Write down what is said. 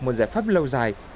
một giải pháp lâu dài